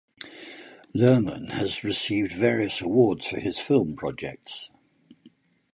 Luhrmann has received various awards for his film projects.